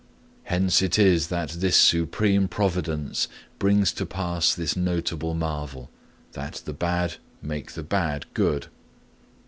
Hence it is that this supreme providence brings to pass this notable marvel that the bad make the bad good.